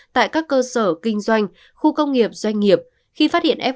tại các cơ sở kinh doanh khu công nghiệp doanh nghiệp khi phát hiện evf